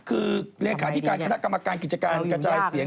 คือเลขาธิการคณะกรรมการกิจการกระจายเสียง